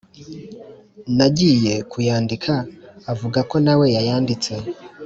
Nagiye kuyandika avuga ko nawe yayanditse